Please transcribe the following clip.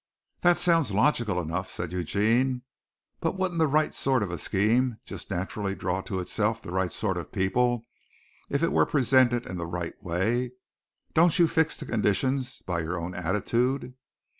"That sounds logical enough," said Eugene, "but wouldn't the right sort of a scheme just naturally draw to itself the right sort of people, if it were presented in the right way? Don't you fix the conditions by your own attitude?"